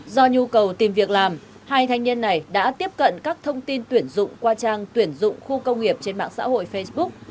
do nhu cầu tìm việc làm hai thanh niên này đã tiếp cận các thông tin tuyển dụng qua trang tuyển dụng khu công nghiệp trên mạng xã hội facebook